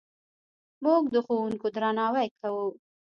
موږ د ښوونکو درناوی کوو.